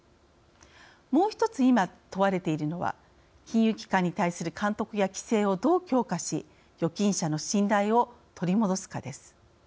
もう１つ、今、問われているのは金融機関に対する監督や規制をどう強化し預金者の信頼を取り戻すかです。